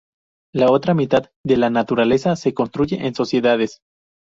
La otra mitad de la Naturaleza se construye en sociedades.